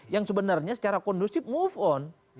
yang sebenarnya secara kondusif move on